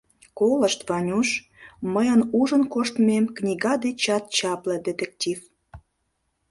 Колышт, Ванюш, мыйын ужын коштмем книга дечат чапле детектив!